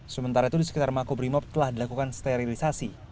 sementara itu di sekitar mako brimob telah dilakukan sterilisasi